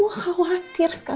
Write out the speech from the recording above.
bahkan mba anin ikut nyari kamu